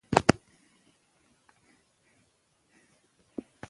سمندر نه شتون د ټولو افغانانو ژوند په بېلابېلو بڼو باندې پوره اغېزمنوي.